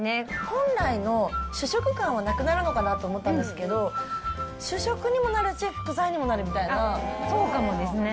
本来の主食感はなくなるのかなと思ったんですけど、主食にもなるし、そうかもですね。